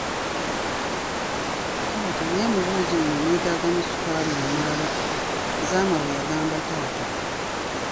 Taata naye mu buugi buno mwetaagamu sukaali omulala, Zama bwe yagamba taata.